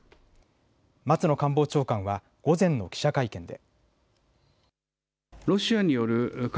松野官房長官は午前の記者会見で。